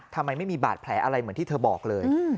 ทำไมไม่มีบาดแผลอะไรเหมือนที่เธอบอกเลย